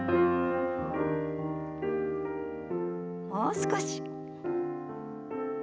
もう少し。